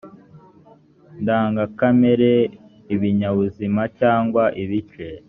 ndangakamere ibinyabuzima cyangwa ibice